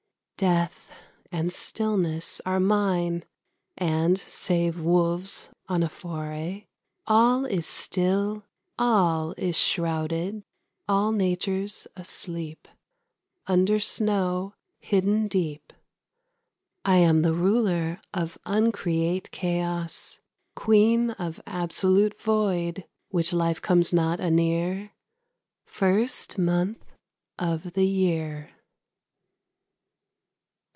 Death and stillness are mine, and, save wolves on a foray, All is still, all is shrouded, all Nature's asleep, Under snow hidden deep. I am the ruler of uncreate chaos, Queen of absolute void, which life comes not anear First month of the year.